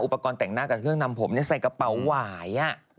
แต่งหน้ากับเครื่องนำผมใส่กระเป๋าหวาย